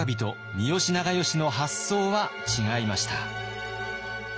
三好長慶の発想は違いました。